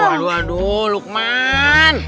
aduh aduh aduh lukman